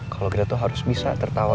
kalau kita tuh harus bisa tertawa